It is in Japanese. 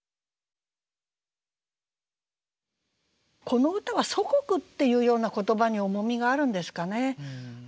この歌は「祖国」っていうような言葉に重みがあるんですかね。